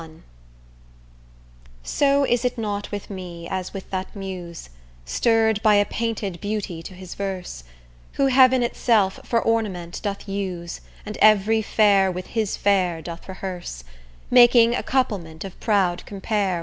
XXI So is it not with me as with that Muse, Stirr'd by a painted beauty to his verse, Who heaven itself for ornament doth use And every fair with his fair doth rehearse, Making a couplement of proud compare.